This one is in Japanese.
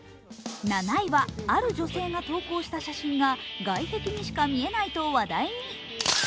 ７位は、ある女性が投稿した写真が外壁にしか見えないと話題に。